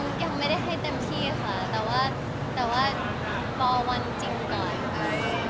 ก็ยังไม่ได้ให้เต็มที่ค่ะแต่ว่าแต่ว่ารอวันจริงก่อนค่ะ